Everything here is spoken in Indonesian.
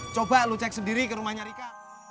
coba lo cek sendiri ke rumahnya rika